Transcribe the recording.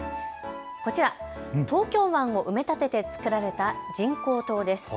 こちら、東京湾を埋め立ててつくられた人工島です。